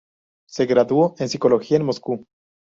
Se graduó en Psicología en Moscú.